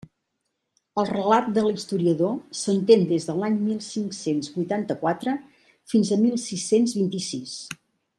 El relat de l'historiador s'estén des de l'any mil cinc-cents vuitanta-quatre fins a mil sis-cents vint-i-sis.